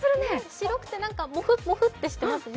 白くて何か、もふっもふっとしてますね。